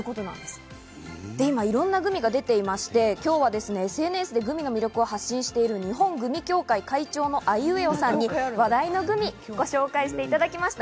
今いろんなグミが出ていまして、今日はＳＮＳでグミの魅力を発信している日本グミ協会会長・あいうえおさんに話題のグミをご紹介していただきました。